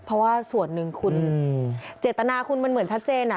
เพราะว่าส่วนหนึ่งคุณเจตนาคุณมันเหมือนชัดเจน